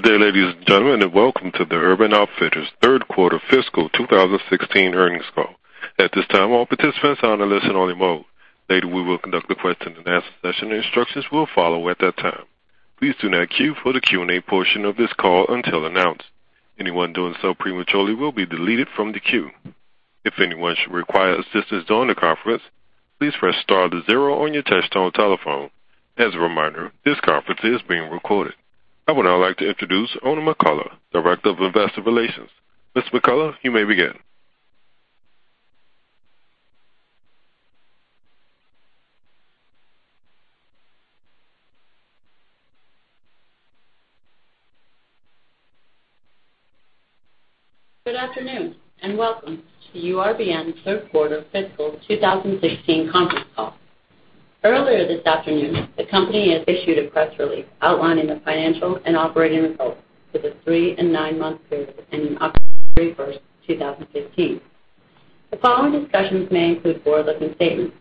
Good day, ladies and gentlemen, and welcome to the Urban Outfitters Q3 fiscal 2016 earnings call. At this time, all participants are on a listen-only mode. Later, we will conduct a question-and-answer session, and instructions will follow at that time. Please do not queue for the Q&A portion of this call until announced. Anyone doing so prematurely will be deleted from the queue. If anyone should require assistance during the conference, please press *0 on your touch-tone telephone. As a reminder, this conference is being recorded. I would now like to introduce Oona McCullough, Director of Investor Relations. Ms. McCullough, you may begin. Good afternoon, and welcome to URBN's third quarter fiscal 2016 conference call. Earlier this afternoon, the company has issued a press release outlining the financial and operating results for the three and nine-month period ending October 31st 2015. The following discussions may include forward-looking statements.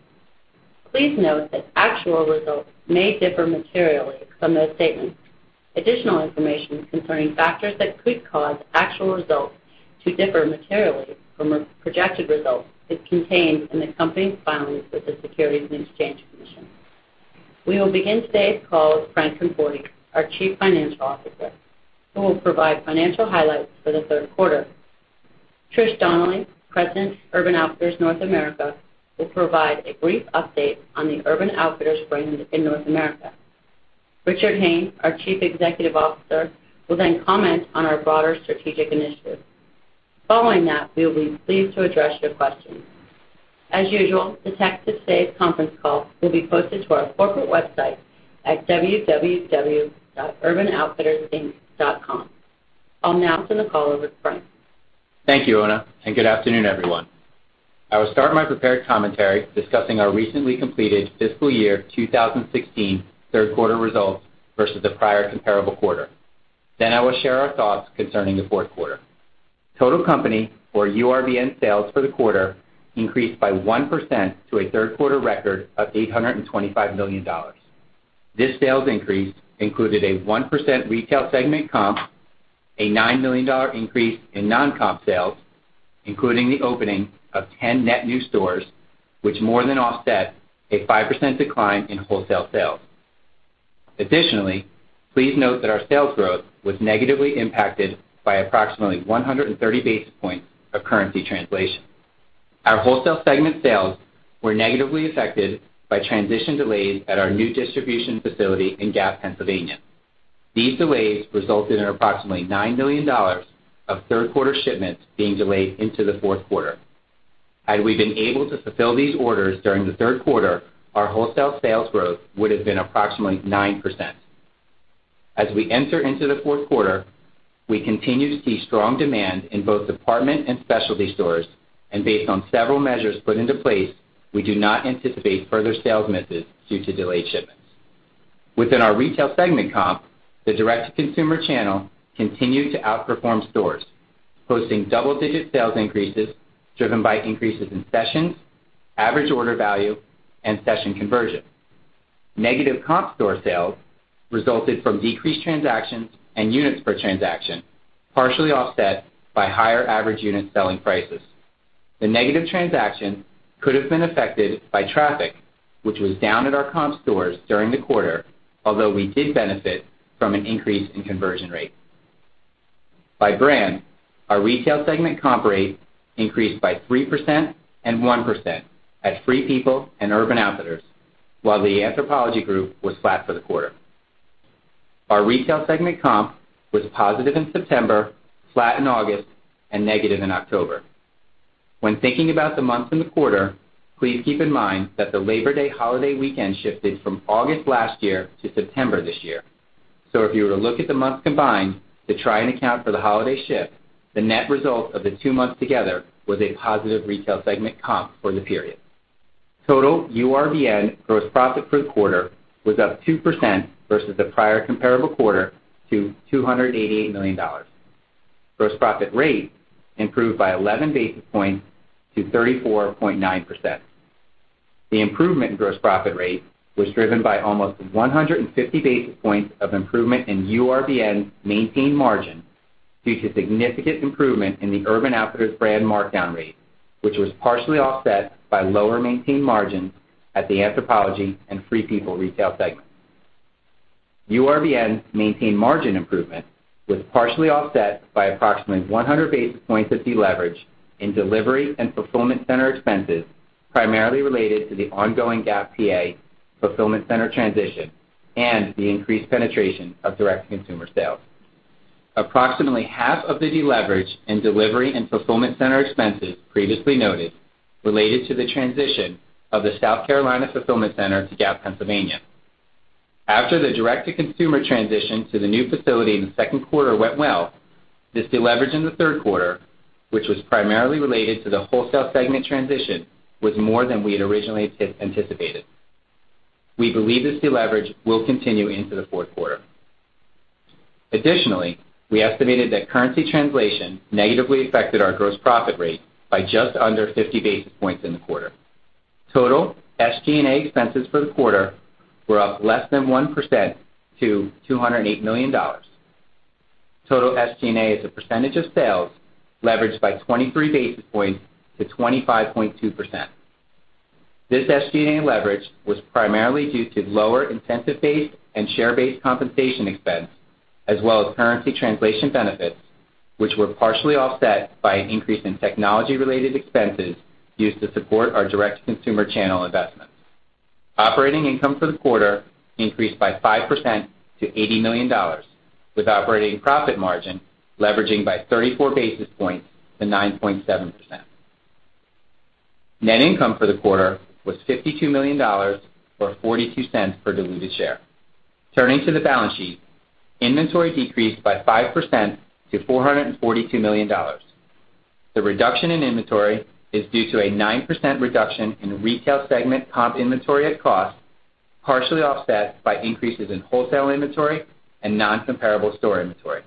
Please note that actual results may differ materially from those statements. Additional information concerning factors that could cause actual results to differ materially from our projected results is contained in the company's filings with the Securities and Exchange Commission. We will begin today's call with Frank Conforti, our CFO, who will provide financial highlights for the Q3. Trish Donnelly, President, Urban Outfitters North America, will provide a brief update on the Urban Outfitters brand in North America. Richard Hayne, our CEO, will comment on our broader strategic initiatives. Following that, we will be pleased to address your questions. As usual, the text of today's conference call will be posted to our corporate website at www.urbanoutfittersinc.com. I'll now turn the call over to Frank. Thank you, Oona, and good afternoon, everyone. I will start my prepared commentary discussing our recently completed fiscal year 2016 Q3 results versus the prior comparable quarter. I will share our thoughts concerning the Q4. Total company for URBN sales for the quarter increased by one percent to a Q3 record of $825 million. This sales increase included a one percent Retail segment comp, a $9 million increase in non-comp sales, including the opening of 10 net new stores, which more than offset a five percent decline in Wholesale sales. Additionally, please note that our sales growth was negatively impacted by approximately 130 basis points of currency translation. Our Wholesale segment sales were negatively affected by transition delays at our new distribution facility in Gap, Pennsylvania. These delays resulted in approximately $9 million of third quarter shipments being delayed into the Q4. Had we been able to fulfill these orders during the third quarter, our Wholesale sales growth would have been approximately nine percent. As we enter into the Q4, we continue to see strong demand in both department and specialty stores. Based on several measures put into place, we do not anticipate further sales misses due to delayed shipments. Within our Retail segment comp, the direct-to-consumer channel continued to outperform stores, posting double-digit sales increases driven by increases in sessions, average order value, and session conversion. Negative comp store sales resulted from decreased transactions and units per transaction, partially offset by higher average unit selling prices. The negative transaction could have been affected by traffic, which was down at our comp stores during the quarter, although we did benefit from an increase in conversion rate. By brand, our Retail segment comp rate increased by three percent and one percent at Free People and Urban Outfitters, while the Anthropologie Group was flat for the quarter. Our Retail segment comp was positive in September, flat in August, and negative in October. When thinking about the months in the quarter, please keep in mind that the Labor Day holiday weekend shifted from August last year to September this year. If you were to look at the months combined to try and account for the holiday shift, the net result of the two months together was a positive Retail segment comp for the period. Total URBN gross profit for the quarter was up two percent versus the prior comparable quarter to $288 million. Gross profit rate improved by 11 basis points to 34.9%. The improvement in gross profit rate was driven by almost 150 basis points of improvement in URBN's maintained margin due to significant improvement in the Urban Outfitters brand markdown rate, which was partially offset by lower maintained margin at the Anthropologie and Free People Retail segments. URBN's maintained margin improvement was partially offset by approximately 100 basis points of deleverage in delivery and fulfillment center expenses, primarily related to the ongoing Gap, Pennsylvania fulfillment center transition and the increased penetration of direct consumer sales. Approximately half of the deleverage in delivery and fulfillment center expenses previously noted related to the transition of the South Carolina fulfillment center to Gap, Pennsylvania. After the direct-to-consumer transition to the new facility in the second quarter went well, this deleverage in the third quarter, which was primarily related to the wholesale segment transition, was more than we had originally anticipated. We believe this deleverage will continue into the fourth quarter. Additionally, we estimated that currency translation negatively affected our gross profit rate by just under 50 basis points in the quarter. Total SG&A expenses for the quarter were up less than one percent to $208 million. Total SG&A as a percentage of sales leveraged by 23 basis points to 25.2%. This SG&A leverage was primarily due to lower incentive-based and share-based compensation expense, as well as currency translation benefits, which were partially offset by an increase in technology-related expenses used to support our direct-to-consumer channel investments. Operating income for the quarter increased by five percent to $80 million, with operating profit margin leveraging by 34 basis points to 9.7%. Net income for the quarter was $52 million, or $0.42 per diluted share. Turning to the balance sheet, inventory decreased by five percent to $442 million. The reduction in inventory is due to a nine percent reduction in retail segment comp inventory at cost, partially offset by increases in wholesale inventory and non-comparable store inventory.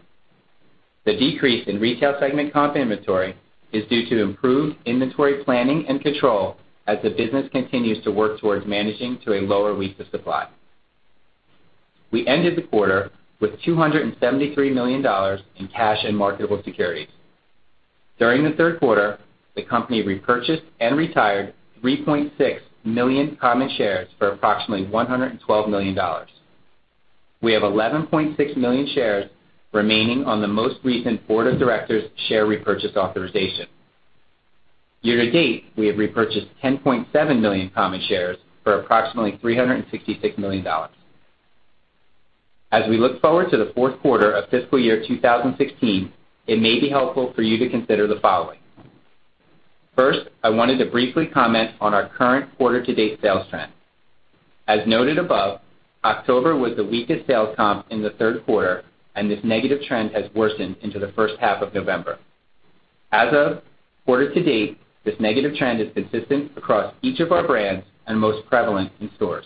The decrease in retail segment comp inventory is due to improved inventory planning and control as the business continues to work towards managing to a lower weeks of supply. We ended the quarter with $273 million in cash and marketable securities. During the Q3, the company repurchased and retired 3.6 million common shares for approximately $112 million. We have 11.6 million shares remaining on the most recent Board of Directors share repurchase authorization. Year to date, we have repurchased 10.7 million common shares for approximately $366 million. As we look forward to the Q4 of fiscal year 2016, it may be helpful for you to consider the following. First, I wanted to briefly comment on our current quarter-to-date sales trends. As noted above, October was the weakest sales comp in the Q3, and this negative trend has worsened into the first half of November. As of quarter to date, this negative trend is consistent across each of our brands and most prevalent in stores.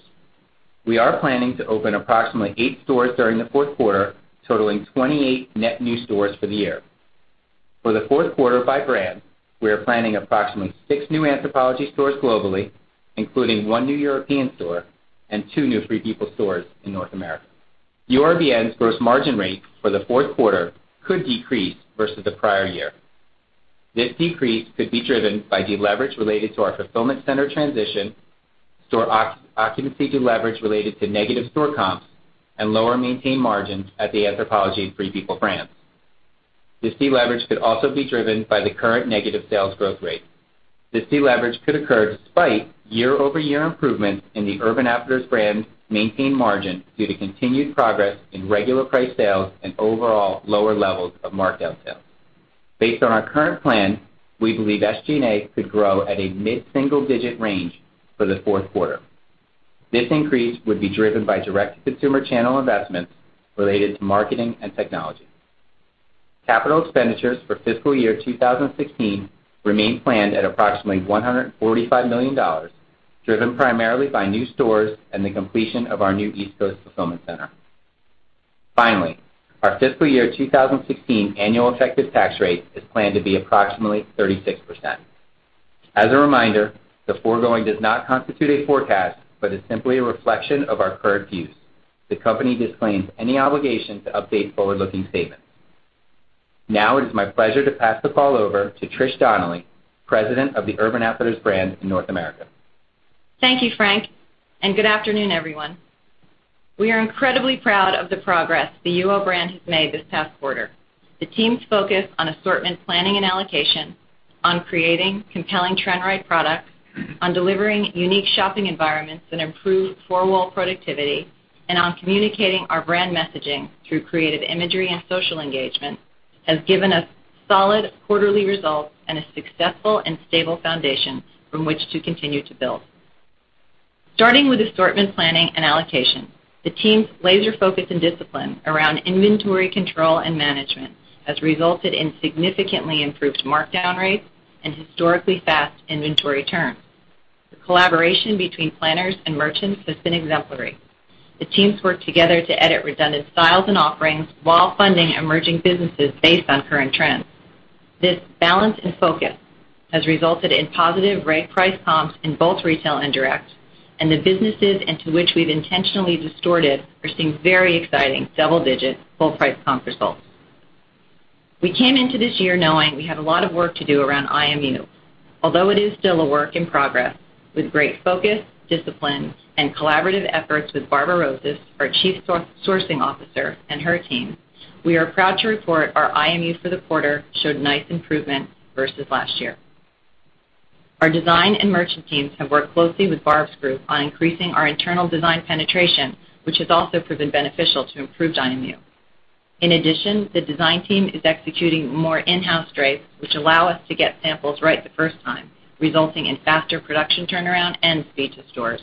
We are planning to open approximately eight stores during the Q4, totaling 28 net new stores for the year. For the Q4 by brand, we are planning approximately six new Anthropologie stores globally, including one new European store and two new Free People stores in North America. URBN's gross margin rate for the Q4 could decrease versus the prior year. This decrease could be driven by deleverage related to our fulfillment center transition, store occupancy deleverage related to negative store comps, and lower maintained margins at the Anthropologie and Free People brands. This deleverage could also be driven by the current negative sales growth rate. This deleverage could occur despite year-over-year improvements in the Urban Outfitters brand maintained margin due to continued progress in regular priced sales and overall lower levels of markdown sales. Based on our current plan, we believe SG&A could grow at a mid-single-digit range for the fourth quarter. This increase would be driven by direct-to-consumer channel investments related to marketing and technology. Capital expenditures for fiscal year 2016 remain planned at approximately $145 million, driven primarily by new stores and the completion of our new East Coast fulfillment center. Finally, our fiscal year 2016 annual effective tax rate is planned to be approximately 36%. As a reminder, the foregoing does not constitute a forecast, but is simply a reflection of our current views. The company disclaims any obligation to update forward-looking statements. Now it is my pleasure to pass the call over to Trish Donnelly, President of the Urban Outfitters brand in North America. Thank you, Frank, and good afternoon, everyone. We are incredibly proud of the progress the UO brand has made this past quarter. The team's focus on assortment planning and allocation, on creating compelling trend-right products, on delivering unique shopping environments that improve four-wall productivity, and on communicating our brand messaging through creative imagery and social engagement, has given us solid quarterly results and a successful and stable foundation from which to continue to build. Starting with assortment planning and allocation, the team's laser focus and discipline around inventory control and management has resulted in significantly improved markdown rates and historically fast inventory turns. The collaboration between planners and merchants has been exemplary. The teams worked together to edit redundant styles and offerings while funding emerging businesses based on current trends. This balance and focus has resulted in positive regular price comps in both retail and direct, and the businesses into which we've intentionally distorted are seeing very exciting double-digit full price comp results. We came into this year knowing we had a lot of work to do around IMU. Although it is still a work in progress, with great focus, discipline, and collaborative efforts with Barbara Rozsas, our Chief Sourcing Officer, and her team, we are proud to report our IMU for the quarter showed nice improvement versus last year. Our design and merchant teams have worked closely with Barb's group on increasing our internal design penetration, which has also proven beneficial to improved IMU. In addition, the design team is executing more in-house drapes, which allow us to get samples right the first time, resulting in faster production turnaround and speed to stores.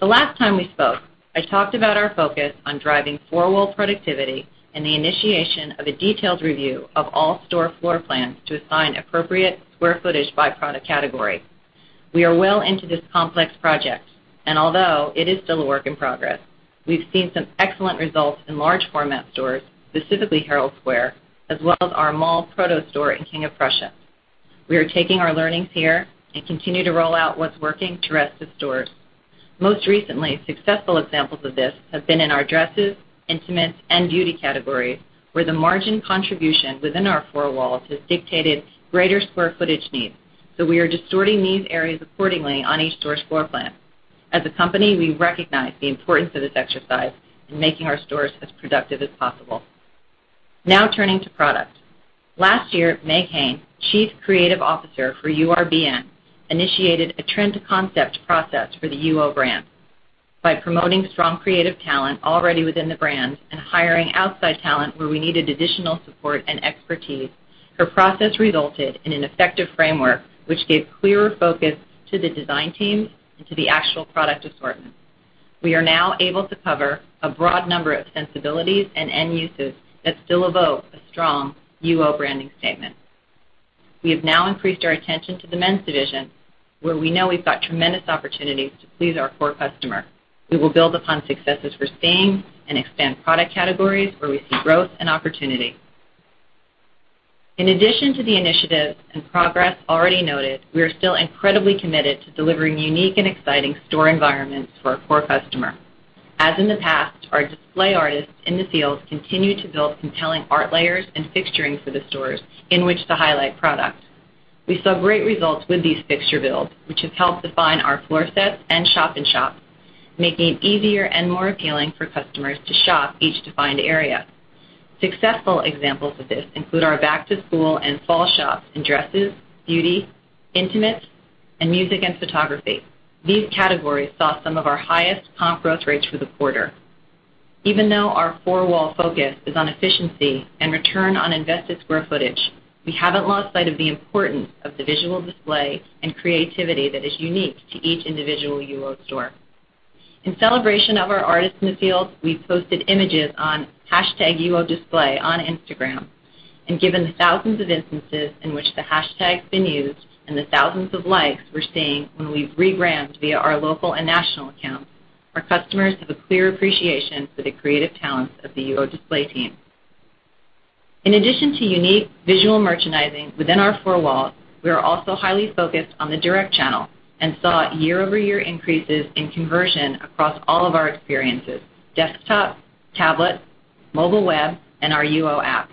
The last time we spoke, I talked about our focus on driving four-wall productivity and the initiation of a detailed review of all store floor plans to assign appropriate square footage by product category. We are well into this complex project, and although it is still a work in progress. We've seen some excellent results in large format stores, specifically Herald Square, as well as our mall proto store in King of Prussia. We are taking our learnings here and continue to roll out what's working to rest of stores. Most recently successful examples of this have been in our dresses, intimates, and beauty categories, where the margin contribution within our four walls has dictated greater square footage needs. We are distorting these areas accordingly on each store's floor plan. As a company, we recognize the importance of this exercise in making our stores as productive as possible. Now turning to product. Last year, Meg Hayne, Chief Creative Officer for URBN, initiated a trend to concept process for the UO brand. By promoting strong creative talent already within the brand and hiring outside talent where we needed additional support and expertise, her process resulted in an effective framework which gave clearer focus to the design teams and to the actual product assortment. We are now able to cover a broad number of sensibilities and end uses that still evoke a strong UO branding statement. We have now increased our attention to the men's division, where we know we've got tremendous opportunities to please our core customer. We will build upon successes we're seeing and expand product categories where we see growth and opportunity. In addition to the initiatives and progress already noted, we are still incredibly committed to delivering unique and exciting store environments for our core customer. As in the past, our display artists in the field continue to build compelling art layers and fixturing for the stores in which to highlight product. We saw great results with these fixture builds, which has helped define our floor sets and shop in shops, making it easier and more appealing for customers to shop each defined area. Successful examples of this include our back-to-school and fall shops in dresses, beauty, intimates, and music and photography. These categories saw some of our highest comp growth rates for the quarter. Even though our four-wall focus is on efficiency and return on invested square footage, we haven't lost sight of the importance of the visual display and creativity that is unique to each individual UO store. In celebration of our artists in the field, we posted images on hashtag UO Display on Instagram. Given the thousands of instances in which the hashtag's been used and the thousands of likes we're seeing when we've rebranded via our local and national accounts, our customers have a clear appreciation for the creative talents of the UO display team. In addition to unique visual merchandising within our four walls, we are also highly focused on the direct channel and saw year-over-year increases in conversion across all of our experiences, desktop, tablet, mobile web, and our UO app.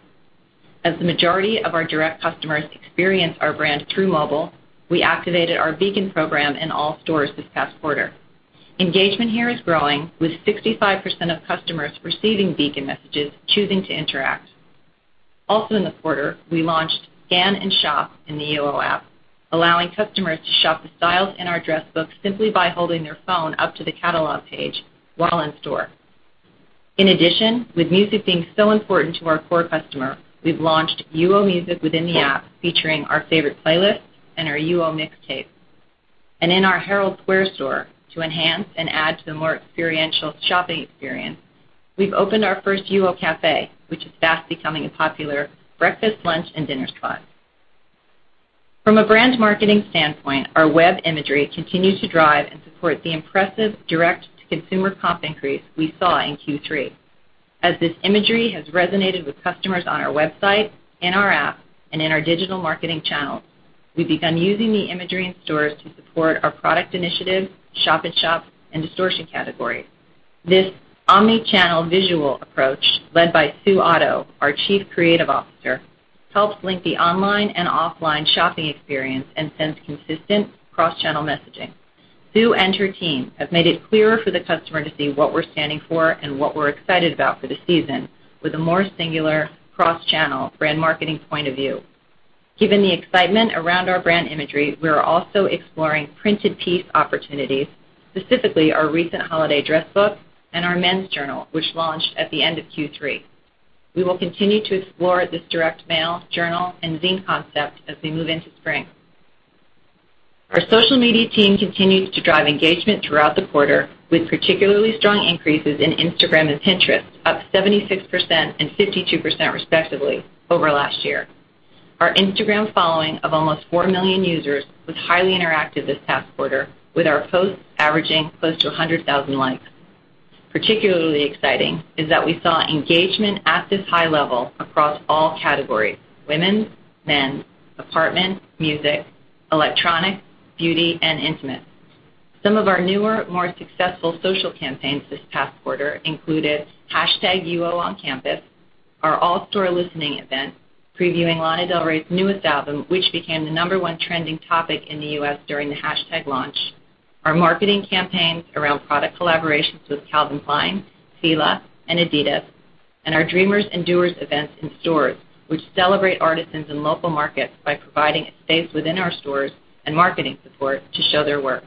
As the majority of our direct customers experience our brand through mobile, we activated our Beacon program in all stores this past quarter. Engagement here is growing with 65% of customers receiving Beacon messages choosing to interact. Also in the quarter, we launched Scan + Shop in the UO app, allowing customers to shop the styles in our dress book simply by holding their phone up to the catalog page while in store. In addition, with music being so important to our core customer, we've launched UO Music within the app featuring our favorite playlists and our UO mixtape. In our Herald Square store, to enhance and add to the more experiential shopping experience, we've opened our first UO Cafe, which is fast becoming a popular breakfast, lunch, and dinner spot. From a brand marketing standpoint, our web imagery continues to drive and support the impressive direct-to-consumer comp increase we saw in Q3. As this imagery has resonated with customers on our website, in our app, and in our digital marketing channels, we've begun using the imagery in stores to support our product initiatives, shop in shops, and distortion categories. This omni-channel visual approach, led by Sue Otto, our Chief Creative Officer, helps link the online and offline shopping experience and sends consistent cross-channel messaging. Sue and her team have made it clearer for the customer to see what we're standing for and what we're excited about for the season with a more singular cross-channel brand marketing point of view. Given the excitement around our brand imagery, we are also exploring printed piece opportunities, specifically our recent holiday dress book and our men's journal, which launched at the end of Q3. We will continue to explore this direct mail, journal, and zine concept as we move into spring. Our social media team continued to drive engagement throughout the quarter, with particularly strong increases in Instagram and Pinterest, up 76% and 52% respectively over last year. Our Instagram following of almost 4 million users was highly interactive this past quarter, with our posts averaging close to 100,000 likes. Particularly exciting is that we saw engagement at this high level across all categories, women's, men's, apartment, music, electronic, beauty, and intimates. Some of our newer, more successful social campaigns this past quarter included hashtag UO On Campus, our all-store listening event previewing Lana Del Rey's newest album, which became the number 1 trending topic in the U.S. during the hashtag launch, our marketing campaigns around product collaborations with Calvin Klein, Fila, and Adidas, and our Dreamers and Doers events in stores, which celebrate artisans in local markets by providing a space within our stores and marketing support to show their work.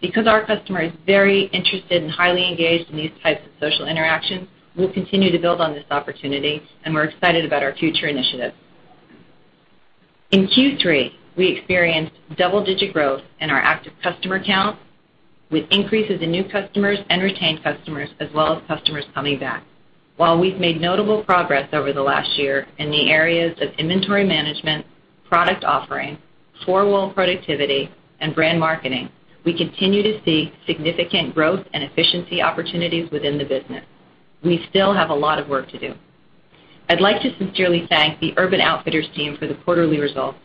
Because our customer is very interested and highly engaged in these types of social interactions, we'll continue to build on this opportunity, and we're excited about our future initiatives. In Q3, we experienced double-digit growth in our active customer count with increases in new customers and retained customers, as well as customers coming back. While we've made notable progress over the last year in the areas of inventory management, product offering, floor wall productivity, and brand marketing, we continue to see significant growth and efficiency opportunities within the business. We still have a lot of work to do. I'd like to sincerely thank the Urban Outfitters team for the quarterly results,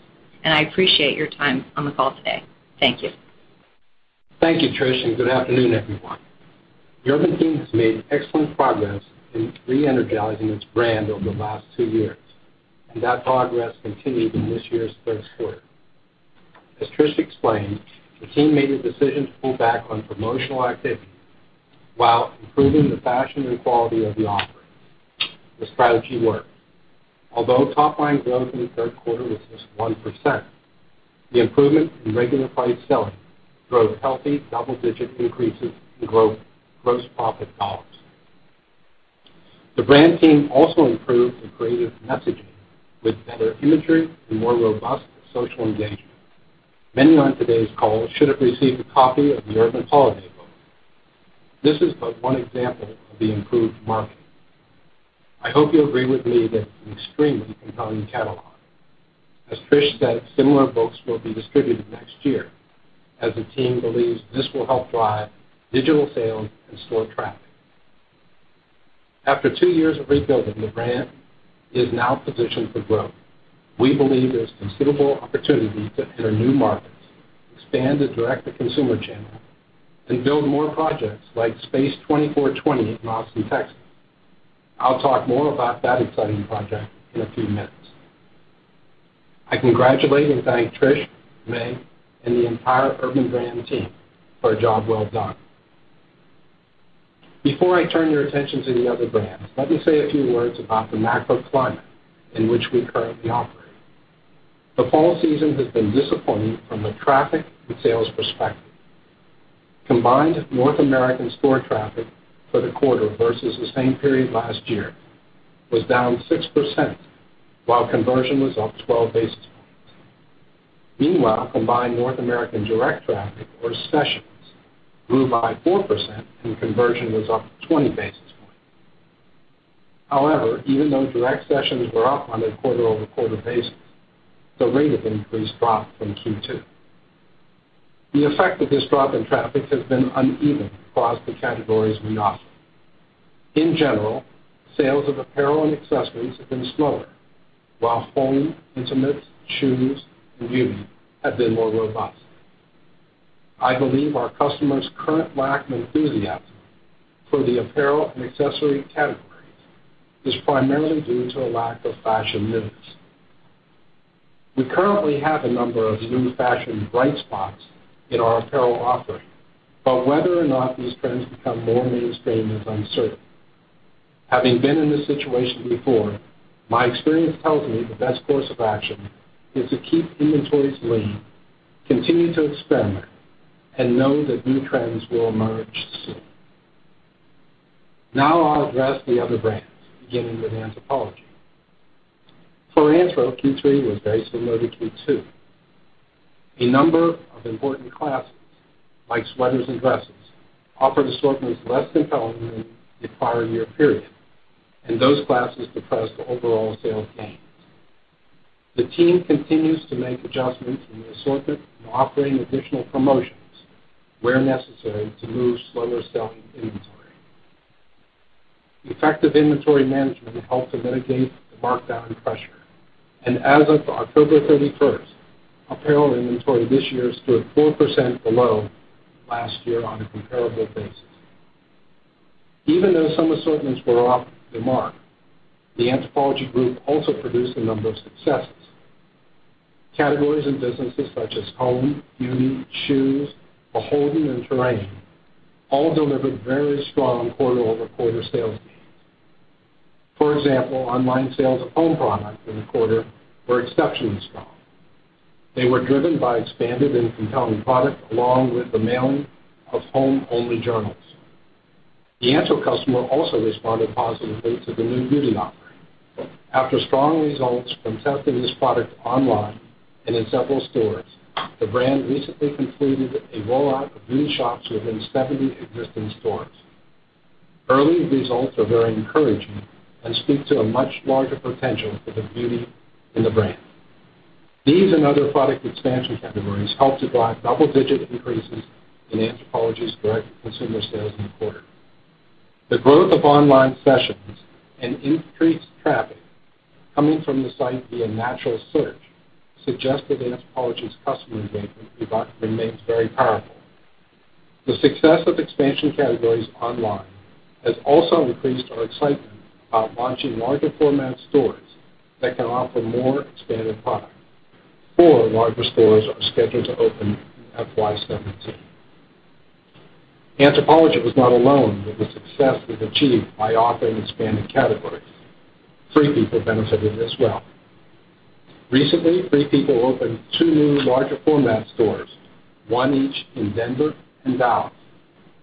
and I appreciate your time on the call today. Thank you. Thank you, Trish. Good afternoon, everyone. The Urban team has made excellent progress in re-energizing its brand over the last two years, and that progress continued in this year's first quarter. As Trish explained, the team made a decision to pull back on promotional activity while improving the fashion and quality of the offering. The strategy worked. Although top-line growth in the third quarter was just one percent, the improvement in regular price selling drove healthy double-digit increases in gross profit dollars. The brand team also improved the creative messaging with better imagery and more robust social engagement. Many on today's call should have received a copy of the Urban holiday book. This is but one example of the improved marketing. I hope you agree with me that it's an extremely compelling catalog. As Trish said, similar books will be distributed next year, as the team believes this will help drive digital sales and store traffic. After two years of rebuilding, the brand is now positioned for growth. We believe there's considerable opportunity to enter new markets, expand the direct-to-consumer channel, and build more projects like Space 24 Twenty in Austin, Texas. I'll talk more about that exciting project in a few minutes. I congratulate and thank Trish, Meg Hayne, and the entire Urban brand team for a job well done. Before I turn your attention to the other brands, let me say a few words about the macro climate in which we currently operate. The fall season has been disappointing from a traffic and sales perspective. Combined North American store traffic for the quarter versus the same period last year was down six percent, while conversion was up 12 basis points. Meanwhile, combined North American direct traffic or sessions grew by four percent, and conversion was up 20 basis points. Even though direct sessions were up on a quarter-over-quarter basis, the rate of increase dropped from Q2. The effect of this drop in traffic has been uneven across the categories we offer. In general, sales of apparel and accessories have been slower, while home, intimates, shoes, and beauty have been more robust. I believe our customers' current lack of enthusiasm for the apparel and accessory categories is primarily due to a lack of fashion news. We currently have a number of new fashion bright spots in our apparel offering, but whether or not these trends become more mainstream is uncertain. Having been in this situation before, my experience tells me the best course of action is to keep inventories lean, continue to experiment, and know that new trends will emerge soon. I'll address the other brands, beginning with Anthropologie. For Anthro, Q3 was very similar to Q2. A number of important classes, like sweaters and dresses, offered assortments less compelling than the prior year period, and those classes depressed overall sales gains. The team continues to make adjustments in the assortment and offering additional promotions where necessary to move slower-selling inventory. Effective inventory management helped to mitigate the markdown pressure, and as of October 31st, apparel inventory this year stood four percent below last year on a comparable basis. Even though some assortments were off the mark, the Anthropologie Group also produced a number of successes. Categories and businesses such as home, beauty, shoes, BHLDN, and Terrain all delivered very strong quarter-over-quarter sales gains. For example, online sales of home products in the quarter were exceptionally strong. They were driven by expanded and compelling product along with the mailing of home-only journals. The Anthro customer also responded positively to the new beauty offering. After strong results from testing this product online and in several stores, the brand recently completed a rollout of new shops within 70 existing stores. Early results are very encouraging and speak to a much larger potential for the beauty in the brand. These and other product expansion categories helped to drive double-digit increases in Anthropologie's direct-to-consumer sales in the quarter. The growth of online sessions and increased traffic coming from the site via natural search suggested Anthropologie's customer engagement remains very powerful. The success of expansion categories online has also increased our excitement about launching larger format stores that can offer more expanded product. Four larger stores are scheduled to open in FY 2017. Anthropologie was not alone with the success it achieved by offering expanded categories. Free People benefited as well. Recently, Free People opened two new larger format stores, one each in Denver and Dallas.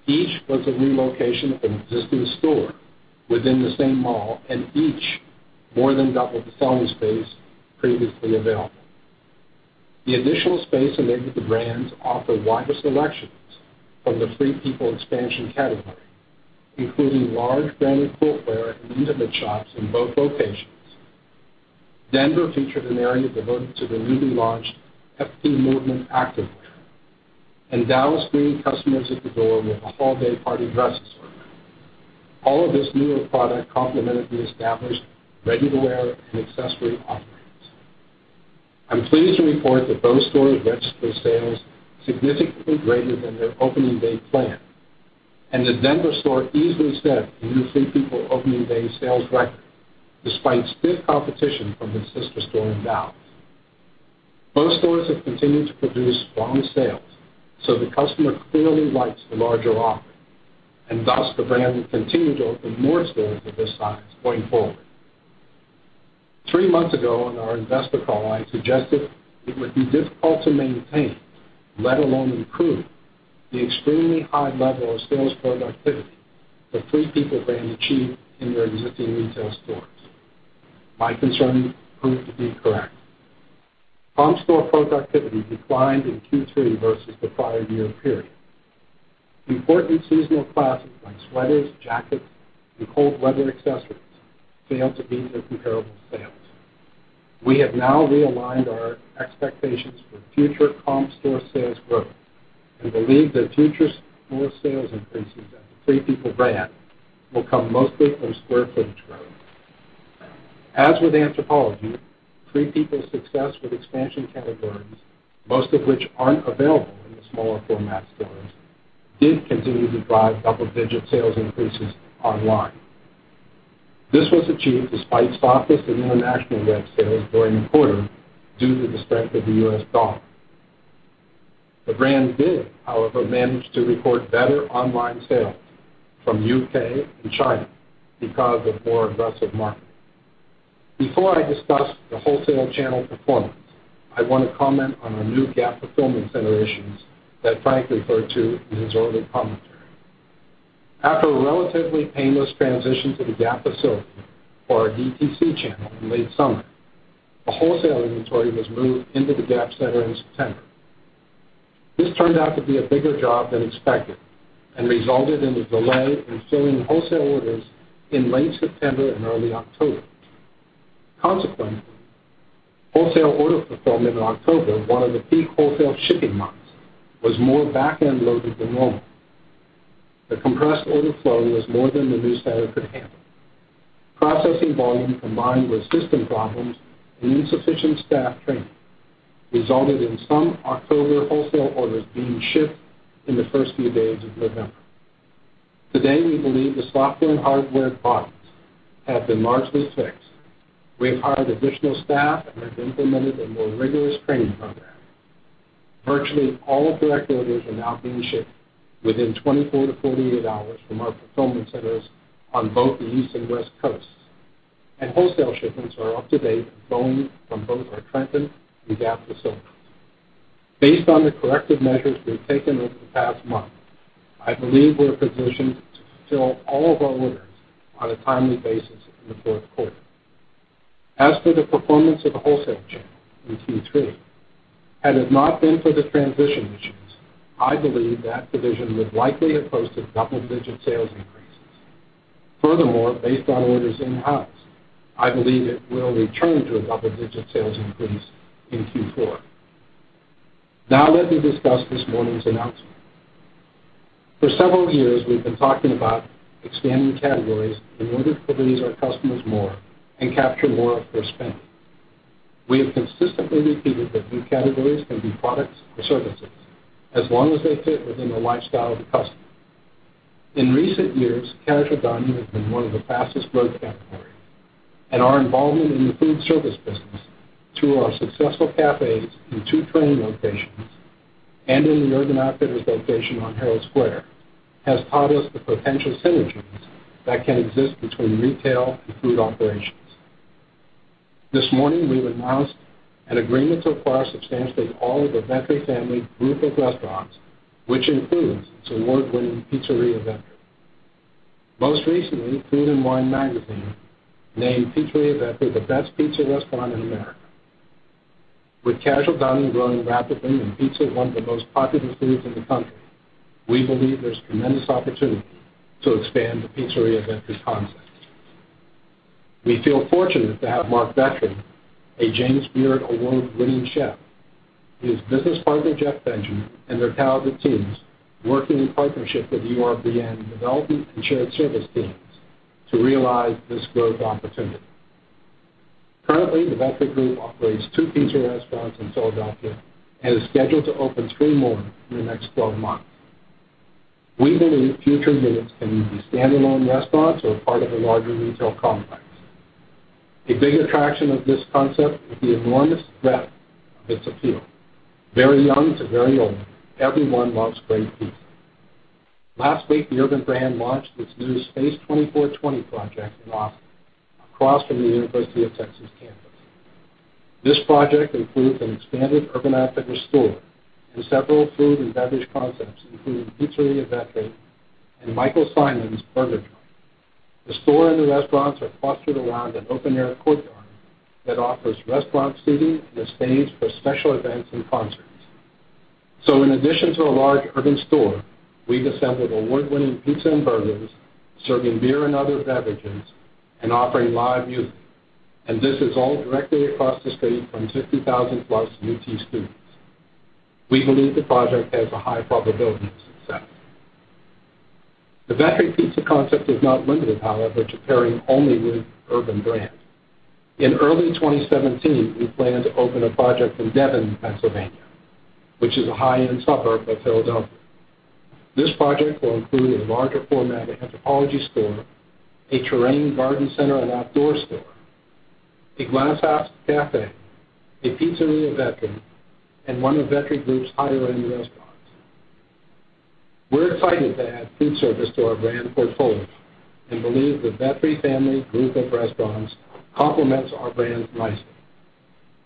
Each was a relocation of an existing store within the same mall, and each more than doubled the selling space previously available. The additional space enabled the brand to offer wider selections from the Free People expansion category, including large branded footwear and intimate shops in both locations. Denver featured an area devoted to the newly launched FP Movement active wear. Dallas greeted customers at the door with a holiday party dress assortment. All of this newer product complemented the established ready-to-wear and accessory offerings. I'm pleased to report that both stores registered sales significantly greater than their opening day plan, and the Denver store easily set a new Free People opening day sales record, despite stiff competition from its sister store in Dallas. Both stores have continued to produce strong sales, so the customer clearly likes the larger offering, and thus, the brand will continue to open more stores of this size going forward. Three months ago on our investor call, I suggested it would be difficult to maintain, let alone improve, the extremely high level of sales productivity the Free People brand achieved in their existing retail stores. My concern proved to be correct. Comp store productivity declined in Q3 versus the prior year period. Important seasonal classes like sweaters, jackets, and cold weather accessories failed to meet their comparable sales. We have now realigned our expectations for future comp store sales growth and believe that future store sales increases at the Free People brand will come mostly from square footage growth. As with Anthropologie, Free People's success with expansion categories, most of which aren't available in the smaller format stores, did continue to drive double-digit sales increases online. This was achieved despite softness in international web sales during the quarter due to the strength of the U.S. dollar. The brand did, however, manage to record better online sales from U.K. and China because of more aggressive marketing. Before I discuss the wholesale channel performance, I want to comment on our new Gap fulfillment center issues that Frank referred to in his opening commentary. After a relatively painless transition to The Gap facility for our DTC channel in late summer, the wholesale inventory was moved into the Gap center in September. This turned out to be a bigger job than expected and resulted in a delay in filling wholesale orders in late September and early October. Consequently, wholesale order fulfillment in October, one of the peak wholesale shipping months, was more back-end loaded than normal. The compressed overflow was more than the new center could handle. Processing volume combined with system problems and insufficient staff training resulted in some October wholesale orders being shipped in the first few days of November. Today, we believe the software and hardware problems have been largely fixed. We have hired additional staff and have implemented a more rigorous training program. Virtually all direct orders are now being shipped within 24 to 48 hours from our fulfillment centers on both the East and West Coasts, and wholesale shipments are up to date, going from both our Trenton and Gap facilities. Based on the corrective measures we've taken over the past month, I believe we're positioned to fulfill all of our orders on a timely basis in the fourth quarter. As for the performance of the wholesale channel in Q3, had it not been for the transition issues, I believe that division would likely have posted double-digit sales increases. Furthermore, based on orders in-house, I believe it will return to a double-digit sales increase in Q4. Now let me discuss this morning's announcement. For several years, we've been talking about expanding categories in order to please our customers more and capture more of their spend. We have consistently repeated that new categories can be products or services as long as they fit within the lifestyle of the customer. In recent years, casual dining has been one of the fastest-growth categories, and our involvement in the food service business through our successful cafes in Terrain locations and in the Urban Outfitters location on Herald Square, has taught us the potential synergies that can exist between retail and food operations. This morning, we announced an agreement to acquire substantially all of the Vetri Family group of restaurants, which includes its award-winning Pizzeria Vetri. Most recently, Food & Wine magazine named Pizzeria Vetri the best pizza restaurant in America. With casual dining growing rapidly and pizza one of the most popular foods in the country, we believe there's tremendous opportunity to expand the Pizzeria Vetri concept. We feel fortunate to have Marc Vetri, a James Beard award-winning chef, his business partner, Jeff Benjamin, and their talented teams working in partnership with URBN development and shared service teams to realize this growth opportunity. Currently, the Vetri Group operates two pizza restaurants in Philadelphia and is scheduled to open three more in the next 12 months. We believe future units can either be standalone restaurants or part of a larger retail complex. A big attraction of this concept is the enormous breadth of its appeal. Very young to very old, everyone loves great pizza. Last week, the Urban brand launched its new Space 24 Twenty project in Austin across from the University of Texas campus. This project includes an expanded Urban Outfitters store and several food and beverage concepts, including Pizzeria Vetri and Michael Symon's BurgerBar. The store and the restaurants are clustered around an open-air courtyard that offers restaurant seating and a stage for special events and concerts. In addition to a large urban store, we've assembled award-winning pizza and burgers, serving beer and other beverages, and offering live music. This is all directly across the street from 60,000 plus UT students. We believe the project has a high probability of success. The Vetri Pizza concept is not limited, however, to pairing only with Urban brand. In early 2017, we plan to open a project in Devon, Pennsylvania, which is a high-end suburb of Philadelphia. This project will include a larger format Anthropologie store, a Terrain garden center and outdoor store, a Glass House Cafe, a Pizzeria Vetri, and one of Vetri Group's higher-end restaurants. We're excited to add food service to our brand portfolio and believe the Vetri Family group of restaurants complements our brands nicely.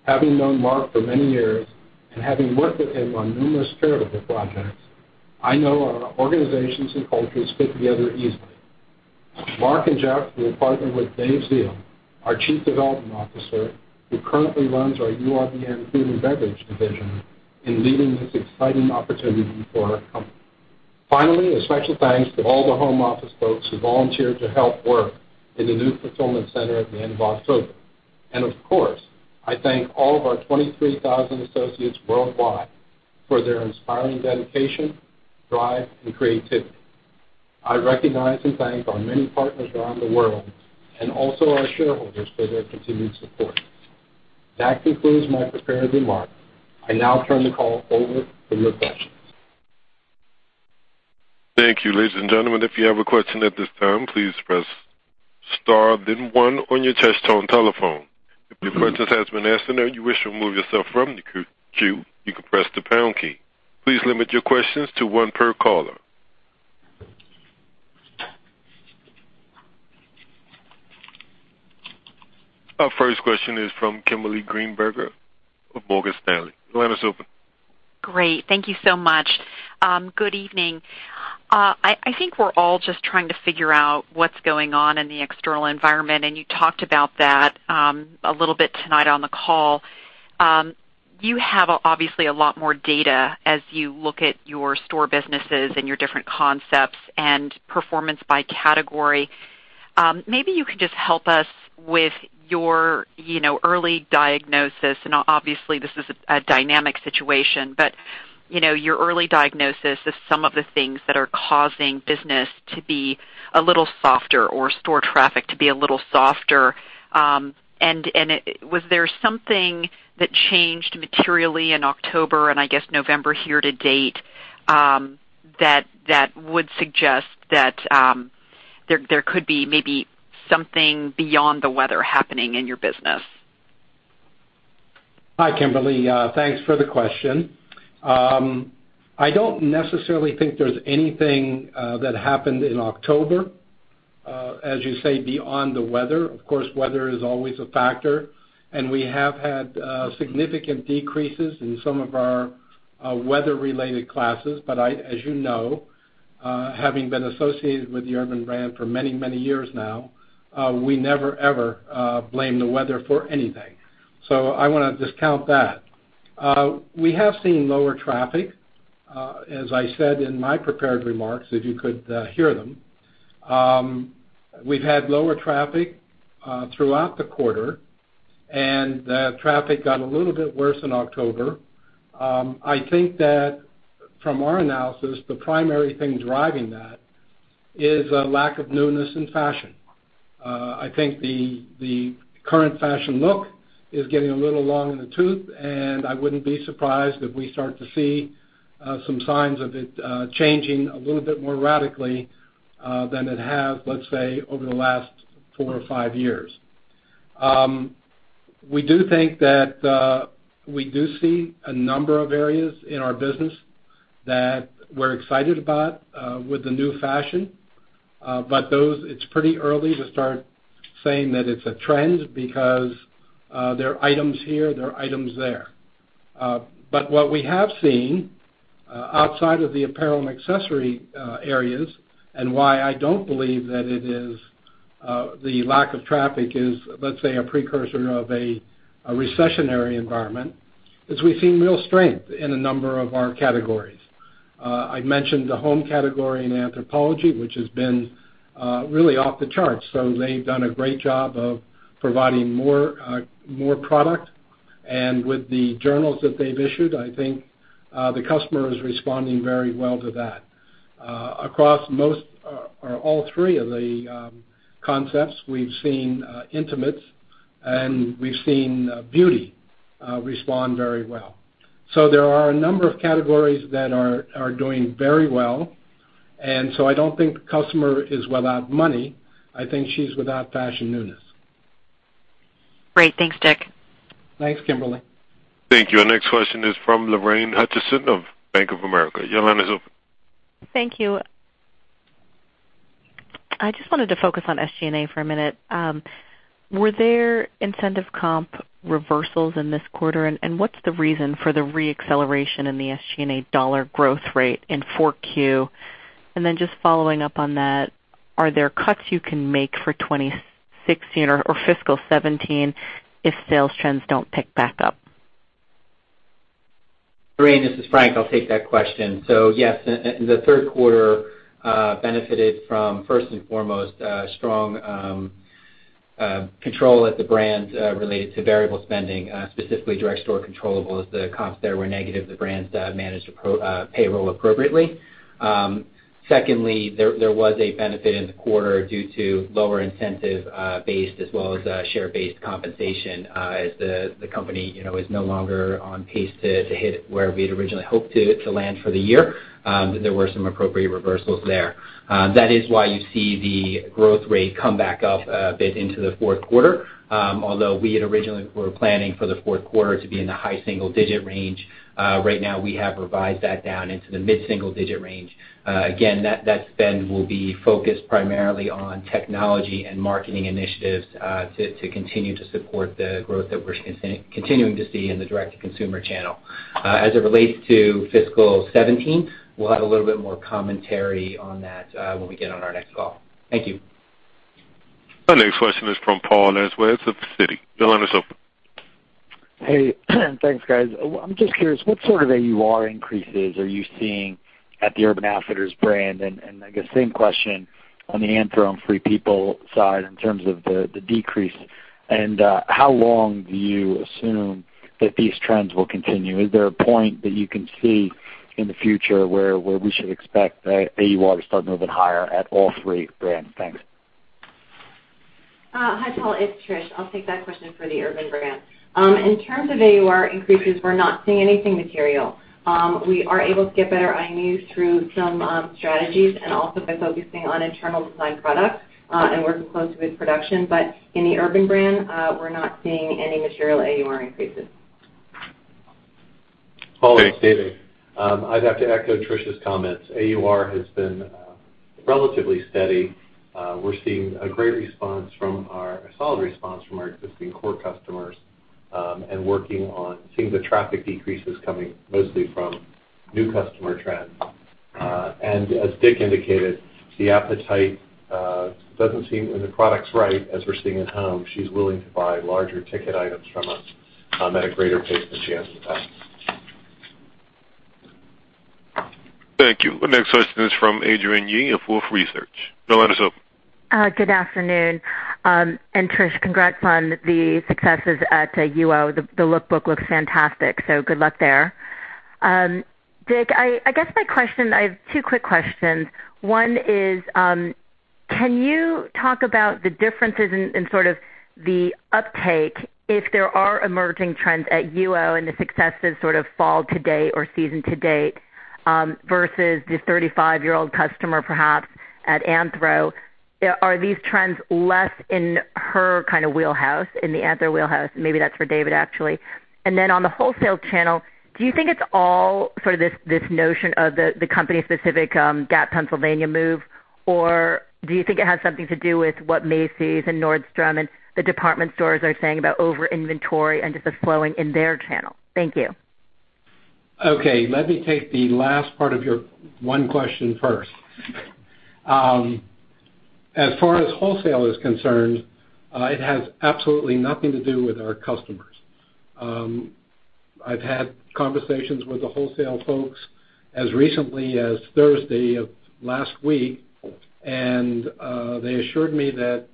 Having known Marc for many years and having worked with him on numerous charitable projects, I know our organizations and cultures fit together easily. Marc and Jeff will partner with Dave Ziel, our Chief Development Officer, who currently runs our URBN food and beverage division, in leading this exciting opportunity for our company. Finally, a special thanks to all the home office folks who volunteered to help work in the new fulfillment center at the end of October. Of course, I thank all of our 23,000 associates worldwide for their inspiring dedication, drive, and creativity. I recognize and thank our many partners around the world and also our shareholders for their continued support. That concludes my prepared remarks. I now turn the call over for your questions. Thank you. Ladies and gentlemen, if you have a question at this time, please press star then one on your touchtone telephone. If your question has been answered or you wish to remove yourself from the queue, you can press the pound key. Please limit your questions to one per caller. Our first question is from Kimberly Greenberger of Morgan Stanley. Your line is open. Great. Thank you so much. Good evening. I think we're all just trying to figure out what's going on in the external environment, and you talked about that a little bit tonight on the call. You have, obviously, a lot more data as you look at your store businesses and your different concepts and performance by category. Maybe you could just help us with your, you know, early diagnosis and obviously, this is a dynamic situation. Your early diagnosis of some of the things that are causing business to be a little softer or store traffic to be a little softer. Was there something that changed materially in October and I guess November here to date, that would suggest that there could be maybe something beyond the weather happening in your business? Hi, Kimberly. Thanks for the question. I don't necessarily think there's anything that happened in October, as you say, beyond the weather. Of course, weather is always a factor, and we have had significant decreases in some of our weather-related classes. As you know, having been associated with the Urban brand for many, many years now, we never, ever, blame the weather for anything. I wanna discount that. We have seen lower traffic, as I said in my prepared remarks, if you could hear them. We've had lower traffic throughout the quarter, and the traffic got a little bit worse in October. I think that from our analysis, the primary thing driving that is a lack of newness in fashion. I think the current fashion look is getting a little long in the tooth, and I wouldn't be surprised if we start to see some signs of it changing a little bit more radically than it has, let's say, over the last four or five years. We do think that we do see a number of areas in our business that we're excited about with the new fashion. Those, it's pretty early to start saying that it's a trend because there are items here, there are items there. What we have seen, outside of the apparel and accessory areas and why I don't believe that it is the lack of traffic is, let's say, a precursor of a recessionary environment, is we've seen real strength in a number of our categories. I mentioned the home category in Anthropologie, which has been really off the charts. They've done a great job of providing more product. With the journals that they've issued, I think the customer is responding very well to that. Across most or all three of the concepts, we've seen intimates and we've seen beauty respond very well. There are a number of categories that are doing very well, and so I don't think the customer is without money. I think she's without fashion newness. Great. Thanks, Dick. Thanks, Kimberly. Thank you. Our next question is from Lorraine Hutchinson of Bank of America. Your line is open. Thank you. I just wanted to focus on SG&A for a minute. Were there incentive comp reversals in this quarter? What's the reason for the re-acceleration in the SG&A dollar growth rate in Q4? Just following up on that, are there cuts you can make for 2016 or fiscal 2017 if sales trends don't pick back up? Lorraine, this is Frank. I'll take that question. Yes, the third quarter benefited from first and foremost, strong control at the brands related to variable spending, specifically direct store controllable as the comps there were negative, the brands that managed payroll appropriately. Secondly, there was a benefit in the quarter due to lower incentive-based as well as share-based compensation as the company, you know, is no longer on pace to hit where we'd originally hoped to land for the year. There were some appropriate reversals there. That is why you see the growth rate come back up a bit into the Q4. Although we had originally were planning for the Q4 to be in the high single-digit range. Right now we have revised that down into the mid-single-digit range. Again, that spend will be focused primarily on technology and marketing initiatives, to continue to support the growth that we're continuing to see in the direct-to-consumer channel. As it relates to fiscal seventeen, we'll have a little bit more commentary on that, when we get on our next call. Thank you. Our next question is from Paul Lejuez of Citi. Your line is open. Hey. Thanks, guys. Well, I'm just curious, what sort of AUR increases are you seeing at the Urban Outfitters brand? I guess same question on the Anthro and Free People side in terms of the decrease. How long do you assume that these trends will continue? Is there a point that you can see in the future where we should expect AUR to start moving higher at all three brands? Thanks. Hi, Paul. It's Trish. I'll take that question for the Urban brand. In terms of AUR increases, we're not seeing anything material. We are able to get better IMUs through some strategies and also by focusing on internal design products and working close with production. In the Urban brand, we're not seeing any material AUR increases. Thanks. Paul, it's Dave. I'd have to echo Trish's comments. AUR has been relatively steady. We're seeing a solid response from our existing core customers, working on seeing the traffic decreases coming mostly from new customer trends. As Dick indicated, the appetite, when the product's right, as we're seeing at home, she's willing to buy larger ticket items from us, at a greater pace than she has in the past. Thank you. Our next question is from Adrienne Yih of Wolfe Research. Your line is open. Good afternoon. Trish, congrats on the successes at UO. The look-book looks fantastic, so good luck there. Richard Hayne, I have two quick questions. One is, can you talk about the differences in sort of the uptake if there are emerging trends at UO and the successes sort of fall to date or season to date, versus the 35-year old customer, perhaps at Anthropologie? Are these trends less in her kind of wheelhouse, in the Anthropologie wheelhouse? Maybe that's for Dave Ziel, actually. Then on the wholesale channel, do you think it's all sort of this notion of the company-specific Gap Pennsylvania move? Or do you think it has something to do with what Macy's and Nordstrom and the department stores are saying about over-inventory and just the flowing in their channel? Thank you. Okay. Let me take the last part of your one question first. As far as wholesale is concerned, it has absolutely nothing to do with our customers. I've had conversations with the wholesale folks as recently as Thursday of last week, and they assured me that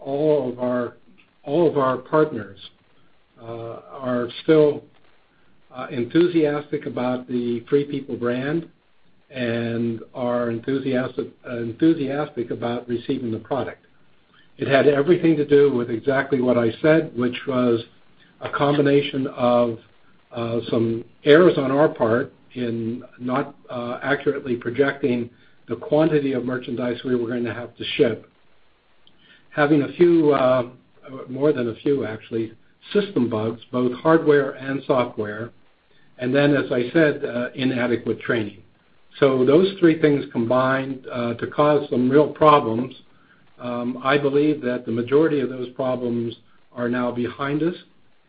all of our, all of our partners are still enthusiastic about the Free People brand and are enthusiastic about receiving the product. It had everything to do with exactly what I said, which was a combination of some errors on our part in not accurately projecting the quantity of merchandise we were gonna have to ship, having a few, more than a few actually, system bugs, both hardware and software, and then, as I said, inadequate training. Those three things combined to cause some real problems. I believe that the majority of those problems are now behind us,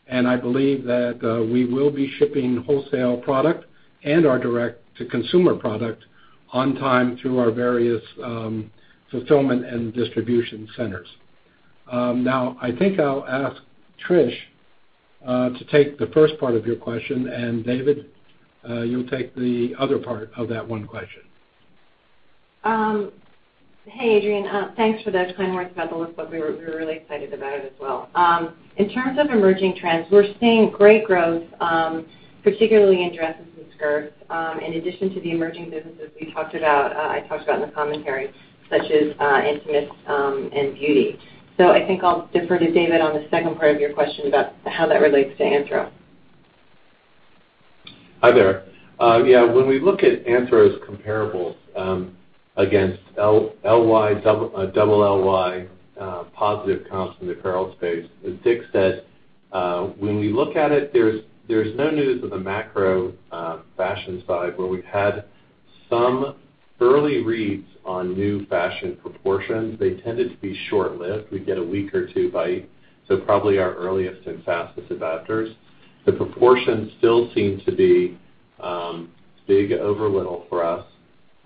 and I believe that we will be shipping wholesale product and our direct-to-consumer product on time through our various fulfillment and distribution centers. I think I'll ask Trish to take the first part of your question, and Dave Ziel, you'll take the other part of that one question. Hey, Adrienne. Thanks for those kind words about the lookbook. We were really excited about it as well. In terms of emerging trends, we're seeing great growth, particularly in dresses and skirts, in addition to the emerging businesses we talked about, I talked about in the commentary, such as intimates, and beauty. I think I'll defer to David on the second part of your question about how that relates to Anthro. Hi there. Yeah, when we look at Anthro's comparables against L-LY, double LY positive comps in the apparel space, as Dick said, when we look at it, there's no news of a macro fashion side where we've had Some early reads on new fashion proportions, they tended to be short-lived. We'd get one week or two, so probably our earliest and fastest adapters. The proportions still seem to be big over little for us.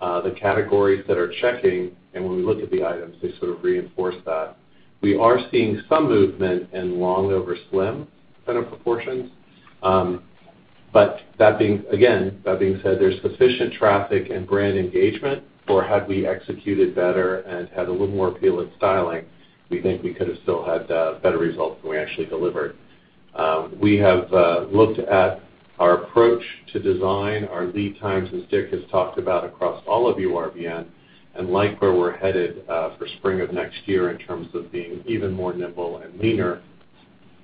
The categories that are checking and when we look at the items, they sort of reinforce that. We are seeing some movement in long over slim kind of proportions. That being said, there's sufficient traffic and brand engagement for had we executed better and had a little more appeal and styling, we think we could have still had better results than we actually delivered. We have looked at our approach to design, our lead times, as Dick has talked about across all of URBN, and like where we're headed for spring of next year in terms of being even more nimble and leaner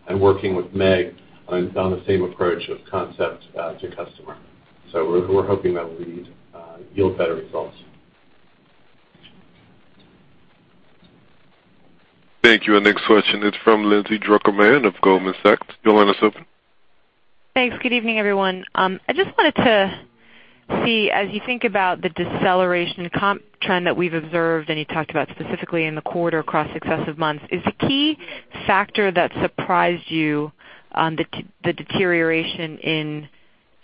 and working with Meg on the same approach of concept to customer. We're, we're hoping that will lead yield better results. Thank you. Our next question is from Lindsay Drucker Mann of Goldman Sachs. Your line is open. Thanks. Good evening, everyone. I just wanted to see, as you think about the deceleration comp trend that we've observed, and you talked about specifically in the quarter across successive months. Is the key factor that surprised you, the deterioration in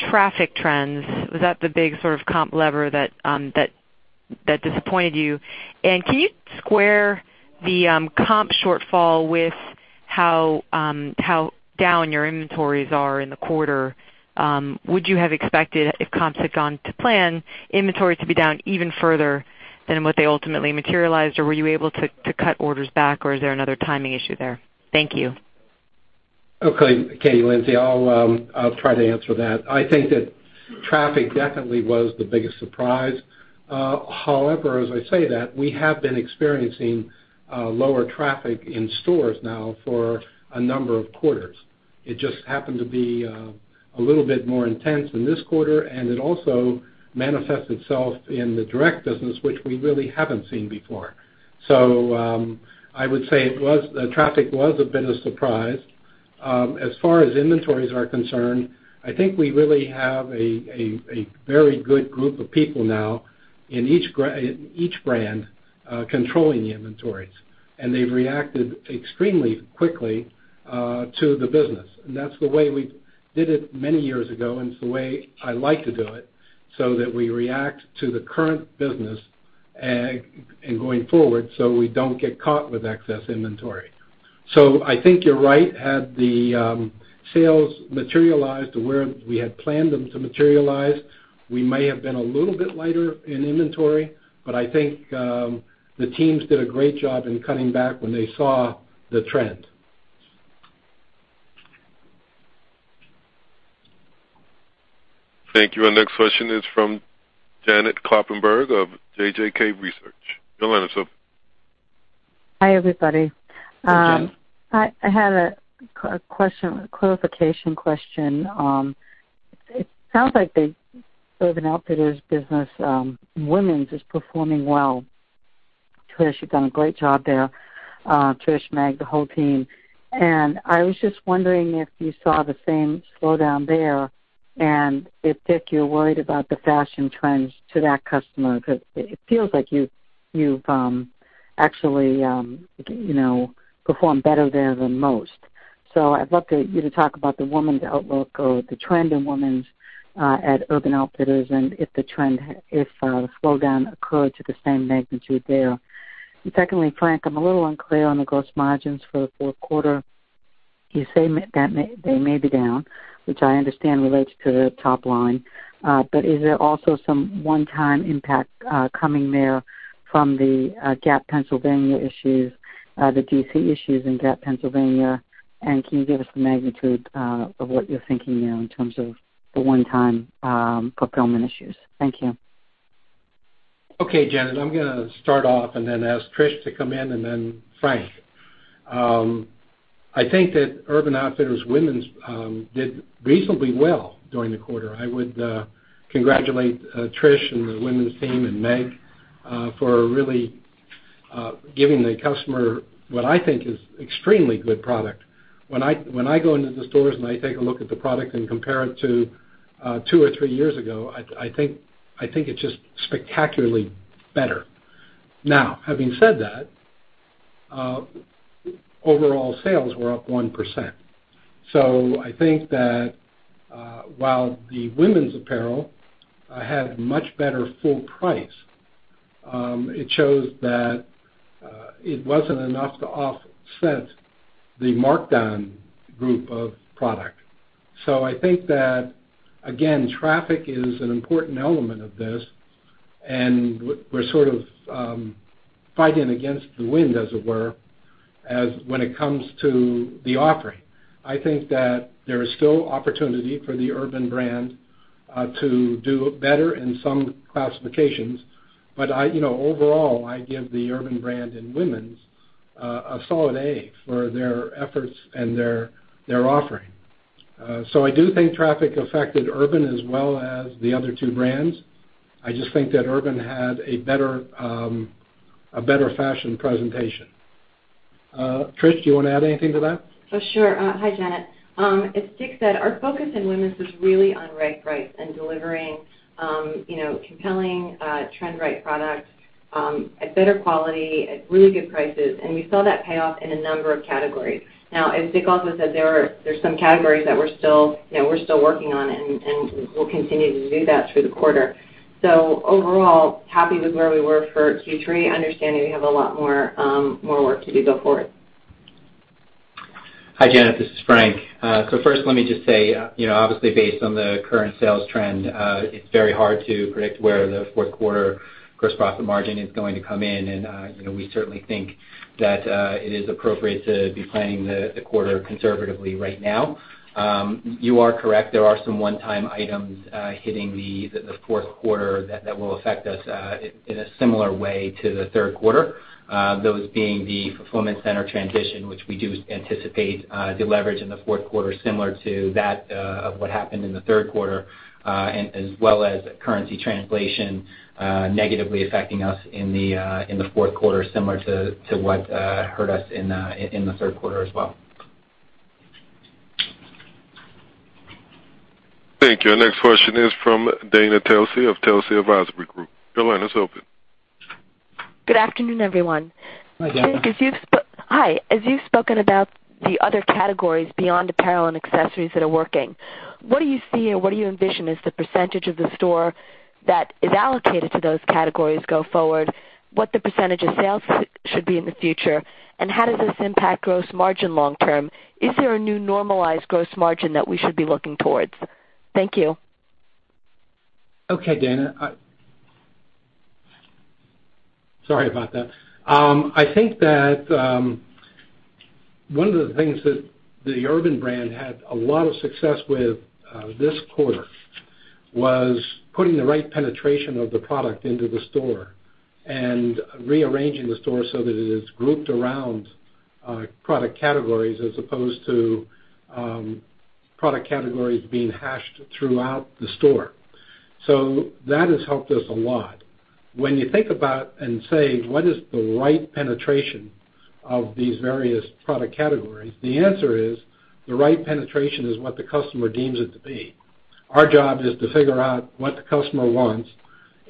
traffic trends? Was that the big sort of comp lever that disappointed you? Can you square the comp shortfall with how down your inventories are in the quarter? Would you have expected, if comps had gone to plan, inventory to be down even further than what they ultimately materialized? Were you able to cut orders back, or is there another timing issue there? Thank you. Okay. Okay, Lindsay. I'll try to answer that. I think that traffic definitely was the biggest surprise. As I say that, we have been experiencing lower traffic in stores now for a number of quarters. It just happened to be a little bit more intense in this quarter, and it also manifests itself in the direct business, which we really haven't seen before. I would say the traffic was a bit of surprise. As far as inventories are concerned, I think we really have a very good group of people now in each brand controlling the inventories, and they've reacted extremely quickly to the business. That's the way we did it many years ago, and it's the way I like to do it so that we react to the current business and going forward, so we don't get caught with excess inventory. I think you're right. Had the sales materialized to where we had planned them to materialize, we may have been a little bit lighter in inventory, but I think the teams did a great job in cutting back when they saw the trend. Thank you. Our next question is from Janet Kloppenburg of JJK Research. Your line is open. Hi, everybody. Hi, Janet. I had a question, a clarification question. It sounds like the Urban Outfitters business, women's is performing well. Trish, you've done a great job there. Trish, Meg, the whole team. I was just wondering if you saw the same slowdown there and if, Dick, you're worried about the fashion trends to that customer because it feels like you've actually, you know, performed better there than most. I'd love you to talk about the women's outlook or the trend in women's at Urban Outfitters and if the slowdown occurred to the same magnitude there. Secondly, Frank, I'm a little unclear on the gross margins for the fourth quarter. You say they may be down, which I understand relates to the top line. Is there also some one-time impact coming there from the Gap Pennsylvania issues, the DC issues in Gap Pennsylvania? Can you give us the magnitude of what you are thinking now in terms of the one-time fulfillment issues? Thank you. Okay, Janet, I'm gonna start off and then ask Trish to come in and then Frank. I think that Urban Outfitters women's did reasonably well during the quarter. I would congratulate Trish and the women's team and Meg for really giving the customer what I think is extremely good product. When I go into the stores and I take a look at the product and compare it to two or three years ago, I think it's just spectacularly better. Having said that, overall sales were up one percent. I think that while the women's apparel had much better full price, it shows that it wasn't enough to offset the markdown group of product. I think that, again, traffic is an important element of this, and we're sort of fighting against the wind, as it were, as when it comes to the offering. I think that there is still opportunity for the Urban brand to do better in some classifications. I, you know, overall, I give the Urban brand in women's a solid A for their efforts and their offering. I do think traffic affected Urban as well as the other two brands. I just think that Urban had a better a better fashion presentation. Trish, do you want to add anything to that? Sure. Hi, Janet. As Dick said, our focus in women's is really on right price and delivering, you know, compelling, trend right products, at better quality, at really good prices, and we saw that pay off in a number of categories. As Dick also said, there's some categories that we're still, you know, we're still working on and we'll continue to do that through the quarter. Overall, happy with where we were for Q3, understanding we have a lot more work to do go forward. Hi, Janet, this is Frank. First, let me just say, you know, obviously based on the current sales trend, it's very hard to predict where the fourth quarter gross profit margin is going to come in. You know, we certainly think that it is appropriate to be planning the quarter conservatively right now. You are correct, there are some one-time items hitting the fourth quarter that will affect us in a similar way to the Q3, those being the fulfillment center transition, which we do anticipate deleverage in the fourth quarter similar to that of what happened in the Q3, and as well as currency translation negatively affecting us in the Q4, similar to what hurt us in the third quarter as well. Thank you. Our next question is from Dana Telsey of Telsey Advisory Group. Your line is open. Good afternoon, everyone. Hi, Dana. Hi. As you've spoken about the other categories beyond apparel and accessories that are working, what do you see and what do you envision is the % of the store that is allocated to those categories go forward, what the % of sales should be in the future, and how does this impact gross margin long term? Is there a new normalized gross margin that we should be looking towards? Thank you. Okay, Dana. Sorry about that. I think that one of the things that the Urban brand had a lot of success with this quarter was putting the right penetration of the product into the store and rearranging the store so that it is grouped around product categories as opposed to product categories being hashed throughout the store. That has helped us a lot. When you think about and say, what is the right penetration of these various product categories, the answer is the right penetration is what the customer deems it to be. Our job is to figure out what the customer wants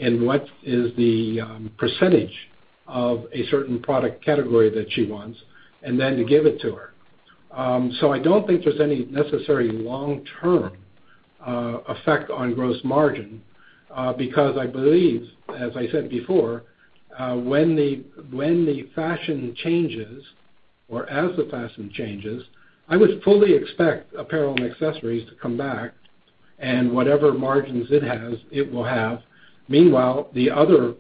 and what is the percentage of a certain product category that she wants, and then to give it to her. I don't think there's any necessary long-term effect on gross margin because I believe, as I said before, when the fashion changes or as the fashion changes, I would fully expect apparel and accessories to come back and whatever margins it has, it will have. Meanwhile, the other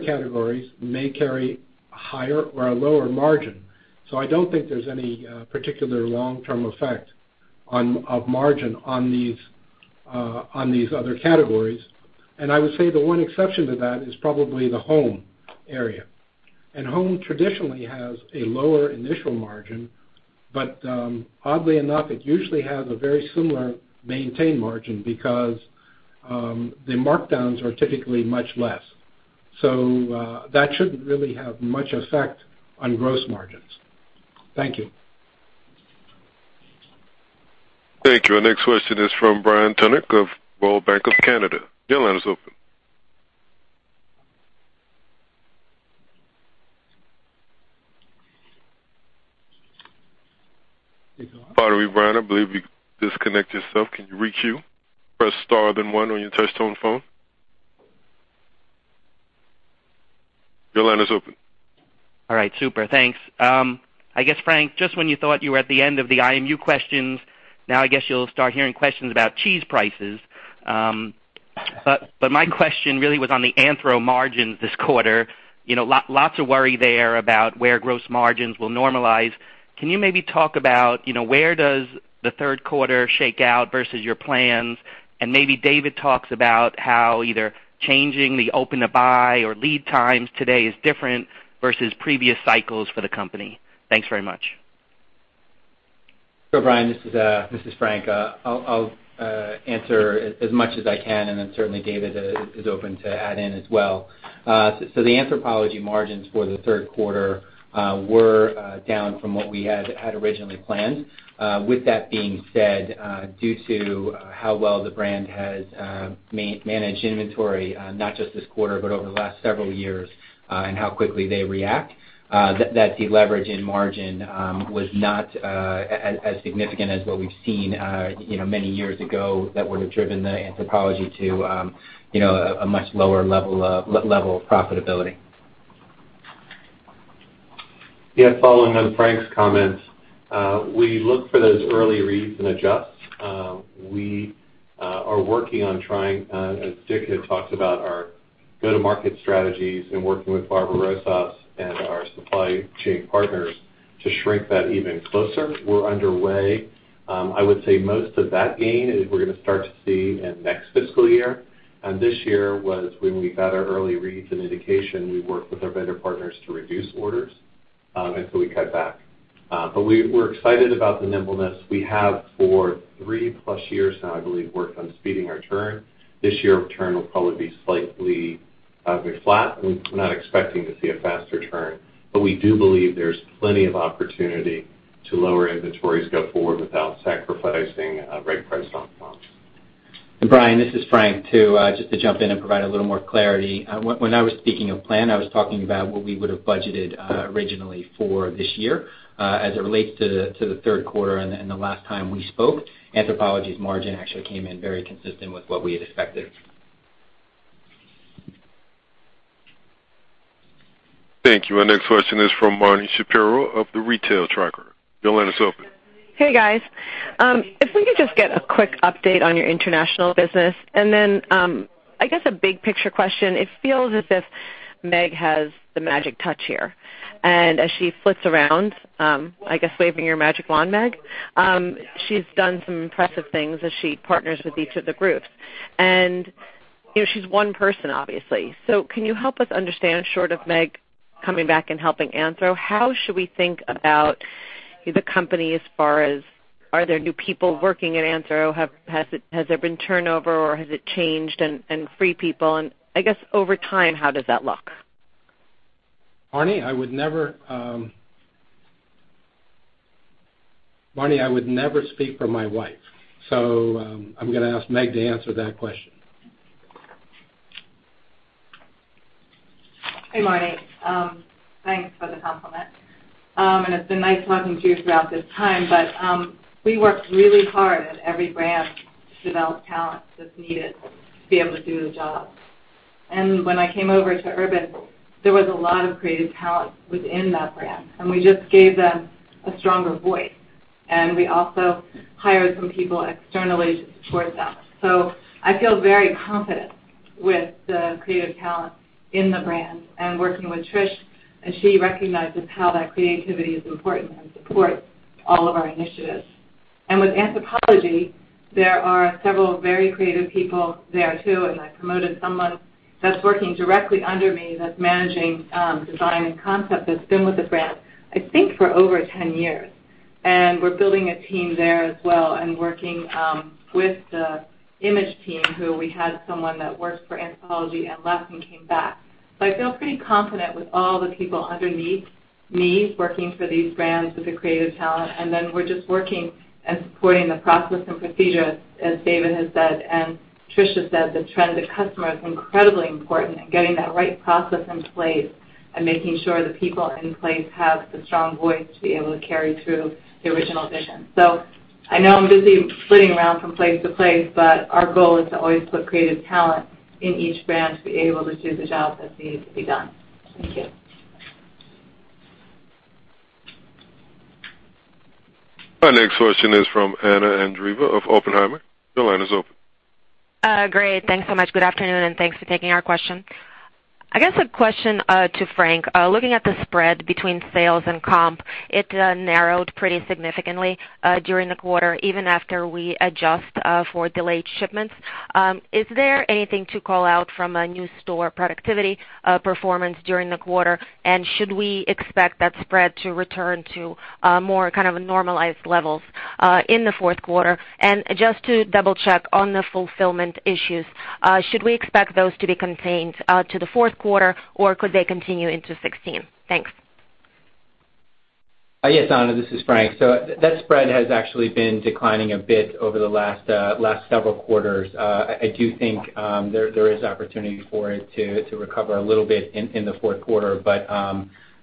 categories may carry a higher or a lower margin. I don't think there's any particular long-term effect on, of margin on these other categories. I would say the one exception to that is probably the home area. Home traditionally has a lower initial margin, but oddly enough, it usually has a very similar maintained margin because the markdowns are typically much less. That shouldn't really have much effect on gross margins. Thank you. Thank you. Our next question is from Brian Tunick of Royal Bank of Canada. Your line is open. Sorry, Brian. I believe you disconnected yourself. Can you queue? Your line is open. All right. Super. Thanks. I guess, Frank, just when you thought you were at the end of the IMU questions, now I guess you'll start hearing questions about cheese prices. My question really was on the Anthro margins this quarter. You know, lots of worry there about where gross margins will normalize. Can you maybe talk about, you know, where does the Q3 shake out versus your plans? Maybe Dave talks about how either changing the open to buy or lead times today is different versus previous cycles for the company. Thanks very much. Brian, this is Frank Conforti. I'll answer as much as I can, and then certainly Dave Ziel is open to add in as well. The Anthropologie margins for the Q3 were down from what we had originally planned. With that being said, due to how well the brand has managed inventory, not just this quarter, but over the last several years, and how quickly they react, that deleverage in margin was not as significant as what we've seen, you know, many years ago that would have driven the Anthropologie to, you know, a much lower level of profitability. Yeah, following on Frank's comments, we look for those early reads and adjust. We are working on trying, as Dick had talked about, our go-to-market strategies and working with Barbara Rosas and our supply chain partners to shrink that even closer. We're underway. I would say most of that gain is we're gonna start to see in next fiscal year. This year was when we got our early reads and indication we worked with our vendor partners to reduce orders, and so we cut back. We, we're excited about the nimbleness we have for three-plus years now, I believe, worked on speeding our turn. This year, our turn will probably be slightly be flat. We're not expecting to see a faster turn. We do believe there's plenty of opportunity to lower inventories going forward without sacrificing, right price on comps. Brian, this is Frank too, just to jump in and provide a little more clarity. When I was speaking of plan, I was talking about what we would have budgeted, originally for this year. As it relates to the third quarter and the last time we spoke, Anthropologie's margin actually came in very consistent with what we had expected. Thank you. Our next question is from Marni Shapiro of The Retail Tracker. Your line is open. Hey, guys. If we could just get a quick update on your international business. I guess a big picture question. It feels as if Meg has the magic touch here. As she flits around, I guess waving your magic wand, Meg, she's done some impressive things as she partners with each of the groups. You know, she's one person, obviously. Can you help us understand, short of Meg coming back and helping Anthro, how should we think about the company as far as are there new people working at Anthro? Has there been turnover or has it changed and Free People? I guess over time, how does that look? Marni, I would never speak for my wife. I'm gonna ask Meg to answer that question. Hey, Marni. Thanks for the compliment. It's been nice talking to you throughout this time. We worked really hard at every brand to develop talent that's needed to be able to do the job. When I came over to Urban, there was a lot of creative talent within that brand, we just gave them a stronger voice. We also hired some people externally to support them. I feel very confident with the creative talent in the brand and working with Trish as she recognizes how that creativity is important and supports all of our initiatives. With Anthropologie, there are several very creative people there, too, I promoted someone that's working directly under me that's managing design and concept that's been with the brand, I think, for over 10 years. We're building a team there as well and working with the image team, who we had someone that worked for Anthropologie and left and came back. I feel pretty confident with all the people underneath me working for these brands with the creative talent. We're just working and supporting the process and procedure, as David has said and Trish has said, the trend of customer is incredibly important and getting that right process in place and making sure the people in place have the strong voice to be able to carry through the original vision. I know I'm busy flitting around from place to place, but our goal is to always put creative talent in each brand to be able to do the job that's needed to be done. Thank you. Our next question is from Anna Andreeva of Oppenheimer. Your line is open. Great. Thanks so much. Good afternoon, and thanks for taking our question. I guess a question to Frank. Looking at the spread between sales and comp, it narrowed pretty significantly during the quarter, even after we adjust for delayed shipments. Is there anything to call out from a new store productivity performance during the quarter? Should we expect that spread to return to more kind of normalized levels in the Q4? Just to double-check on the fulfillment issues, should we expect those to be contained to the Q4, or could they continue into 2016? Thanks. Yes, Anna, this is Frank. That spread has actually been declining a bit over the last several quarters. I do think there is opportunity for it to recover a little bit in the Q4.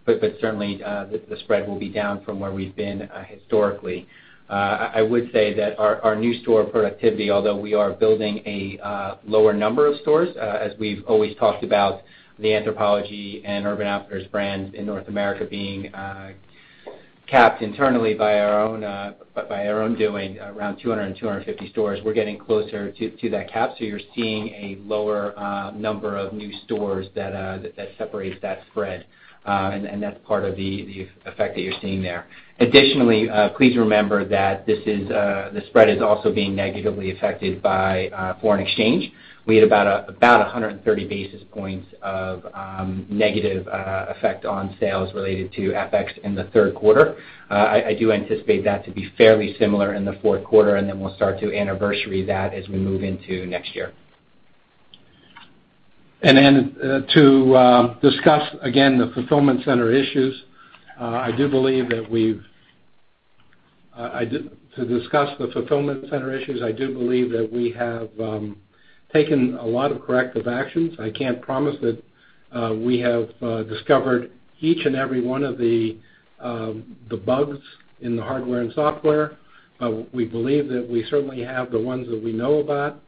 But certainly the spread will be down from where we've been historically. I would say that our new store productivity, although we are building a lower number of stores, as we've always talked about the Anthropologie and Urban Outfitters brands in North America being capped internally by our own doing around 200, 250 stores. We're getting closer to that cap, so you're seeing a lower number of new stores that separates that spread. That's part of the effect that you're seeing there. Additionally, please remember that the spread is also being negatively affected by foreign exchange. We had about 130 basis points of negative effect on sales related to FX in the Q3. I do anticipate that to be fairly similar in the Q4, and then we'll start to anniversary that as we move into next year. Then, to discuss the fulfillment center issues, I do believe that we have taken a lot of corrective actions. I can't promise that we have discovered each and every one of the bugs in the hardware and software. We believe that we certainly have the ones that we know about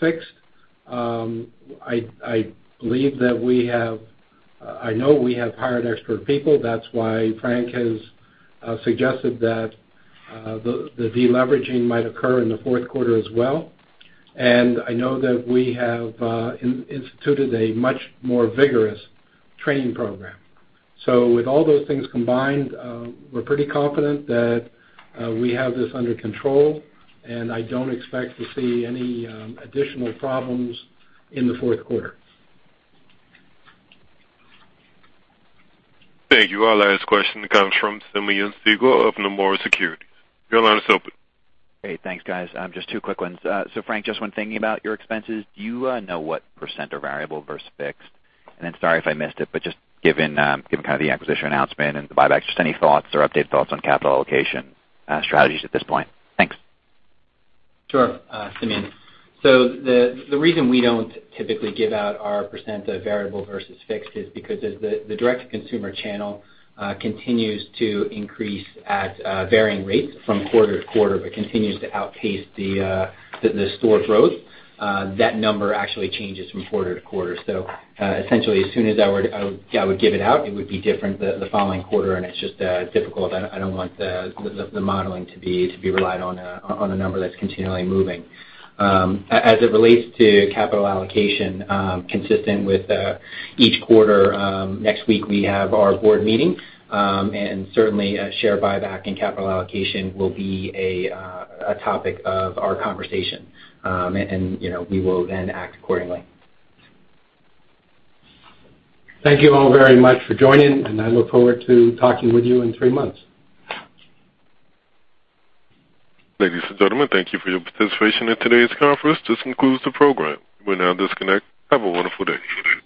fixed. I believe that we have, I know we have hired extra people. That's why Frank has suggested that the deleveraging might occur in the fourth quarter as well. I know that we have instituted a much more vigorous training program. With all those things combined, we're pretty confident that we have this under control, and I don't expect to see any additional problems in the fourth quarter. Thank you. Our last question comes from Simeon Siegel of Nomura Securities. Your line is open. Great. Thanks, guys. Just two quick ones. Frank, just when thinking about your expenses, do you know what % are variable versus fixed? Sorry if I missed it, but just given kind of the acquisition announcement and the buyback, just any thoughts or updated thoughts on capital allocation strategies at this point? Thanks. Sure, Simeon. The reason we don't typically give out our % of variable versus fixed is because as the direct-to-consumer channel continues to increase at varying rates from quarter to quarter, but continues to outpace the store growth, that number actually changes from quarter to quarter. Essentially, as soon as I would give it out, it would be different the following quarter, and it's just difficult. I don't want the modeling to be relied on a number that's continually moving. As it relates to capital allocation, consistent with each quarter, next week we have our board meeting, and certainly a share buyback and capital allocation will be a topic of our conversation. You know, we will then act accordingly. Thank you all very much for joining, and I look forward to talking with you in three months. Ladies and gentlemen, thank you for your participation in today's conference. This concludes the program. We'll now disconnect. Have a wonderful day.